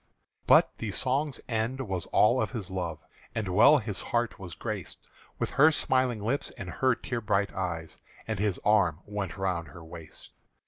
But the song's end was all of his love; And well his heart was grac'd With her smiling lips and her tear bright eyes As his arm went round her waist.